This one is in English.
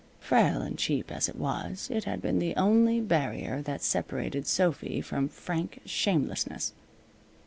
Frail and cheap as it was, it had been the only barrier that separated Sophy from frank shamelessness.